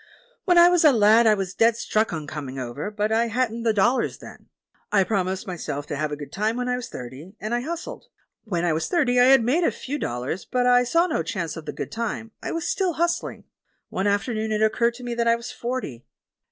When I was a lad I was dead stuck on coming over, but I hadn't the dollars then. I promised myself to have a good time when I was thirty, and I hustled. When I was thirty I had made a few dollars, but I saw no chance of the good time — I was still hustling. One afternoon it occurred to me that I was forty.